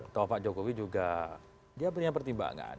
atau pak jokowi juga dia punya pertimbangan